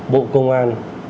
bộ công an